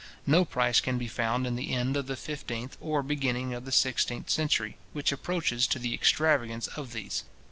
No price can be found in the end of the fifteenth, or beginning of the sixteenth century, which approaches to the extravagance of these.